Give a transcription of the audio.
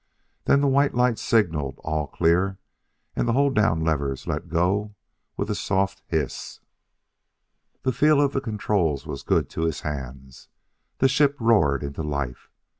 Then the white lights signaled "all clear" and the hold down levers let go with a soft hiss The feel of the controls was good to his hands; the ship roared into life.